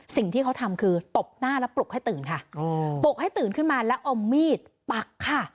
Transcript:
สิ่งที่เขาทำคือตบหน้าแล้วปลุกให้ตื่นค่ะปลุกให้ตื่นขึ้นมาแล้วเอามีดปักค่ะ